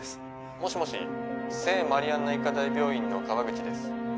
もしもし聖マリアンナ医科大病院の川口です。